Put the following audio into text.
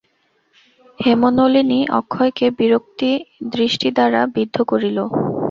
হেমনলিনী অক্ষয়কে বিরক্তিদৃষ্টিদ্বারা বিদ্ধ করিল।